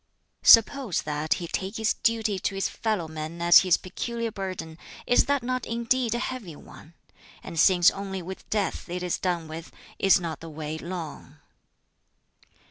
"Suppose that he take his duty to his fellow men as his peculiar burden, is that not indeed a heavy one? And since only with death it is done with, is not the way long?"